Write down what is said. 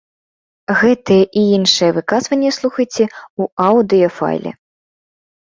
Гэтыя і іншыя выказванні слухайце ў аўдыёфайле.